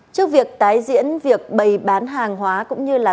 trước việc tái diễn việc bày bán hàng hóa cũng như là